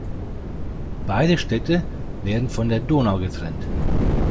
Beide Städte werden von der Donau getrennt.